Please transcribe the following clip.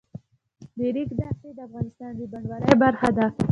د ریګ دښتې د افغانستان د بڼوالۍ برخه ده.